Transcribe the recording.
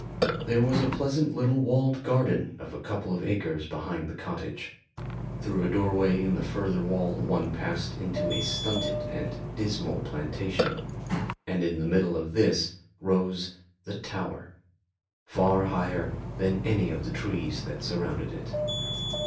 There was a pleasant little walled garden of a couple of acres behind the cottage. Through a doorway in the further wall one passed into a stunted and dismal plantation, and in the middle of this rose the tower, far higher than any of the trees that surrounded it.